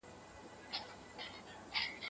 دا يو سېب دئ.